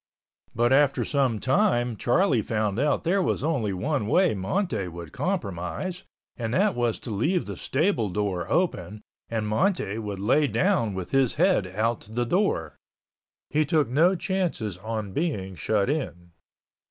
But after some time Charlie found out there was only one way Monte would compromise and that was to leave the stable door open and Monte would lay down with his head out the door—he took no chances on being shut in.